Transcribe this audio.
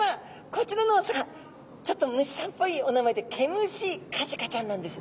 こちらのお魚ちょっと虫さんっぽいお名前でケムシカジカちゃんなんです。